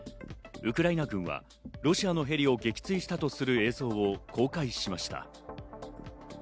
ウクライナ軍はロシアのヘリを撃墜したとする映像を公開しました。